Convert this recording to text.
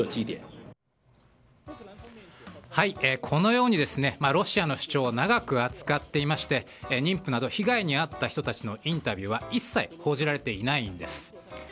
このようにロシアの主張を長く扱っていまして妊婦など被害に遭った人たちのインタビューは一切報じられていないんです。